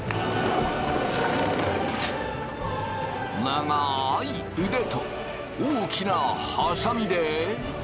長い腕と大きなハサミで。